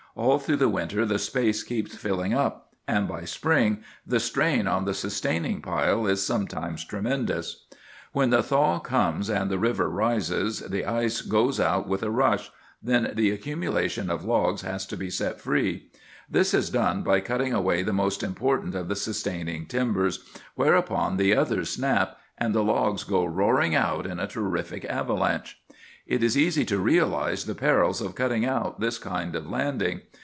All through the winter the space keeps filling up, and by spring the strain on the sustaining piles is something tremendous. "When the thaw comes and the river rises, and the ice goes out with a rush, then the accumulation of logs has to be set free. This is done by cutting away the most important of the sustaining timbers, whereupon the others snap, and the logs go roaring out in a terrific avalanche. "It is easy to realize the perils of cutting out this kind of landing.